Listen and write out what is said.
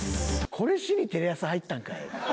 これしにテレ朝入ったんかい。